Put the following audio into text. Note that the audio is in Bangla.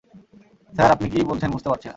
স্যার, আপনি কি বলছেন বুঝতে পারছি না।